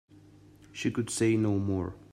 She could say no more.